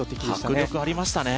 迫力ありましたね